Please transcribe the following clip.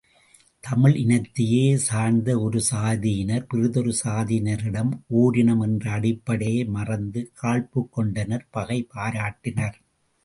தமிழினத்தையே சார்ந்த ஒரு சாதியினர் பிறிதொரு சாதியினரிடம் ஓரினம் என்ற அடிப்படையை மறந்து காழ்ப்புக் கொண்டனர் பகை பாராட்டினர்.